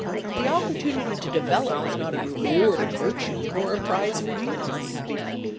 The opportunity to develop is not a reward of virtue nor a prize for genius.